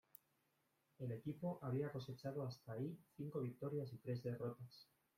El equipo había cosechado hasta ahí cinco victorias y tres derrotas.